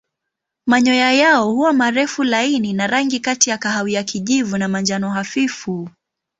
Manyoya yao huwa marefu laini na rangi kati ya kahawia kijivu na manjano hafifu.